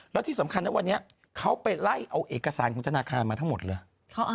แล้วที่สำคัญนะวันนี้เขาไปไล่เอาเอกสารของธนาคารมาทั้งหมดเลย